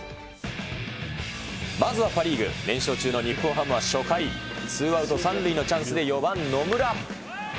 まずはパ・リーグ、連勝中の日本ハムは初回、ツーアウト３塁のチャンスで４番野村。